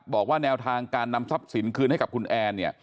บอกว่าแนวทางการนำทรัพย์สินคืนให้กับคุณแอนเนี่ย